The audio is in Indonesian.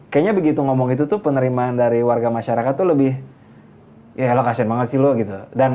kayaknya begitu ngomong itu tuh penerimaan dari warga masyarakat tuh lebih ya lo kasih banget sih lo gitu